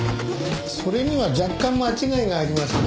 それには若干間違いがありますね。